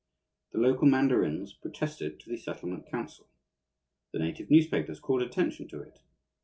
The local mandarins protested to the settlement council. The native newspapers called attention to it.